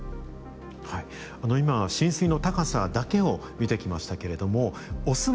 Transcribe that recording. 今浸水の高さだけを見てきましたけれどもそうなんですね。